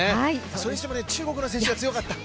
それにしても中国の選手すごかった。